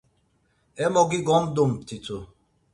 Emogi gomdumt̆itu.